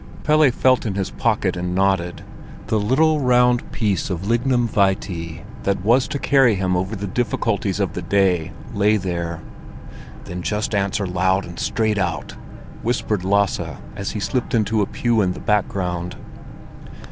Pelle felt in his pocket and nodded; the little round piece of lignum vitae that was to carry him over the difficulties of the day lay there. "Then just answer loud and straight out," whispered Lasse, as he slipped into a pew in the background.